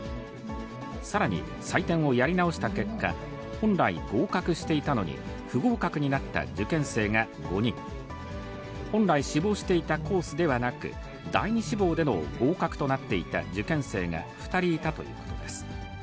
さらに採点をやり直した結果、本来、合格していたのに、不合格になった受験生が５人、本来志望していたコースではなく、第２志望での合格となっていた受験生が２人いたということです。